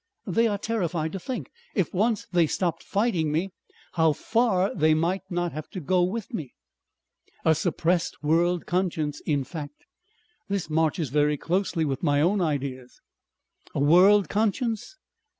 They are terrified to think, if once they stopped fighting me, how far they might not have to go with me." "A suppressed world conscience in fact. This marches very closely with my own ideas." "A world conscience?